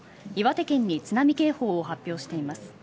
岩手県に津波警報を発表しています。